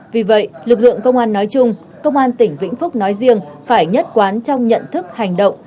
vì vậy lực lượng công an nói chung công an tỉnh vĩnh phúc nói riêng phải nhất quán trong nhận thức hành động